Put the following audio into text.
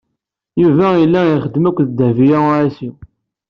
Yuba yella ixeddem akked Dehbiya u Ɛisiw.